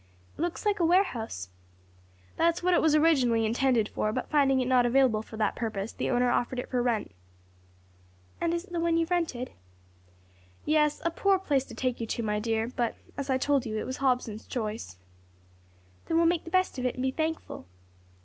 "It looks like a warehouse." "That's what it was originally intended for; but finding it not available for that purpose, the owner offered it for rent." "And is it the one you have rented?" "Yes; a poor place to take you to, my dear but, as I told you, it was Hobson's choice." "Then we'll make the best of it and be thankful."